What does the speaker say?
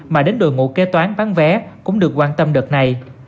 mà đến đội ngũ kế toán bán vé cũng được quan tâm đợt này